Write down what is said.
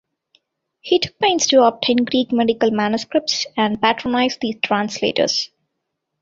He took pains to obtain Greek medical manuscripts and patronized the translators.